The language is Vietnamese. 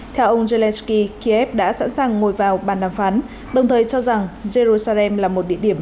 theo ông zelensky kiev đã sẵn sàng ngồi vào bàn đàm phán đồng thời cho rằng jerusalem là một địa điểm